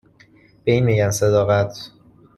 به این می گن صداقت